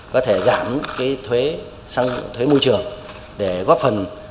có thể giảm cái thuế môi trường để góp phần